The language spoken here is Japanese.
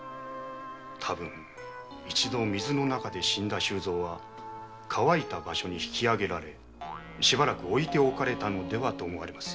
多分一度水の中で死んだ周蔵は乾いた場所に引き揚げられしばらく置いておかれたのではと思われます。